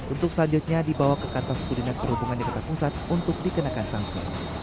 untuk selanjutnya dibawa ke kantor suku dinas perhubungan di ketat musat untuk dikenakan sangsi